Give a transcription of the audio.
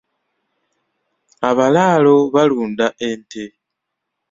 Abalaalo balunda ente.